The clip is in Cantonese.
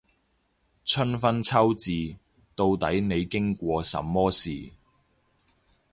春分秋至，到底你經過什麼事